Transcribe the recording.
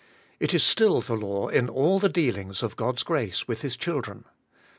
It is still the law in all the dealings of God's grace with His children.